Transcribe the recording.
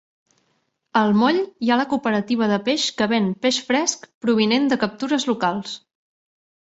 Al moll hi ha la cooperativa de peix que ven peix fresc provinent de captures locals.